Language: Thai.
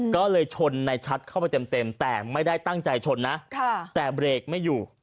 ก็เลยชนในชัดเข้าไปเต็มแต่ไม่ได้ตั้งใจชนนะแต่เบรกไม่อยู่